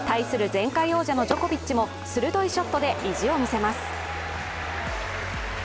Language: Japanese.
前回王者のジョコビッチも鋭いショットで意地を見せます。